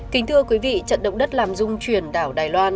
kính thưa quý vị trận động đất làm dung truyền đảo đài loan